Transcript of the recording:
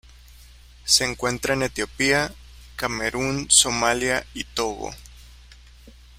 Se encuentra en Etiopía, Camerún Somalia y Togo.